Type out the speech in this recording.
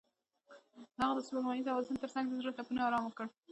هغې د سپوږمیز اوازونو ترڅنګ د زړونو ټپونه آرام کړل.